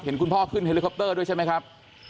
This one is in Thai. คุณพ่อขึ้นเฮลิคอปเตอร์ด้วยใช่ไหมครับ